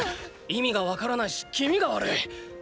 意味がわからないし気味が悪い！